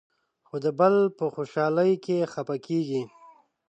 خو د بل په خوشالۍ کې خفه کېږي.